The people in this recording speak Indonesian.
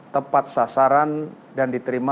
tepat sasaran dan diterima